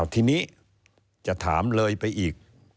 ทีนี้จะถามเลยไปอีก